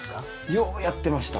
ようやってました。